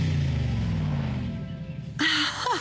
アハハ。